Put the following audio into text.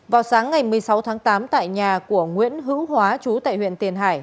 vào sáng ngày một mươi sáu tháng tám tại nhà của nguyễn hữu hóa chú tại huyện tiền hải